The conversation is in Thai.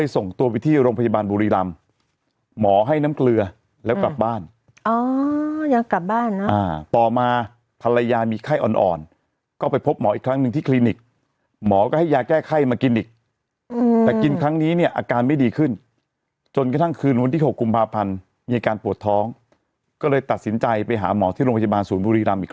ส่งตัวไปที่โรงพยาบาลบุรีรำหมอให้น้ำเกลือแล้วกลับบ้านอ๋อยังกลับบ้านนะต่อมาภรรยามีไข้อ่อนก็ไปพบหมออีกครั้งหนึ่งที่คลินิกหมอก็ให้ยาแก้ไข้มากินอีกแต่กินครั้งนี้เนี่ยอาการไม่ดีขึ้นจนกระทั่งคืนวันที่๖กุมภาพันธ์มีอาการปวดท้องก็เลยตัดสินใจไปหาหมอที่โรงพยาบาลศูนย์บุรีรำอีก